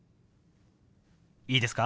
いいですか？